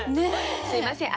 すみません。